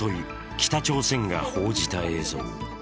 北朝鮮が報じた映像。